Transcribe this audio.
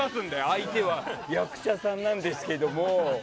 相手は役者さんなんですけど。